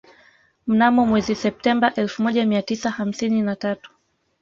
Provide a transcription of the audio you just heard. Mnamo mwezi Septemba elfu moja mia tisa hamsini na tatu